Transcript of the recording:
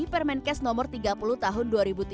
permenkes nomor tiga puluh tahun dua ribu tiga belas